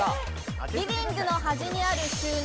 リビングの端にある収納。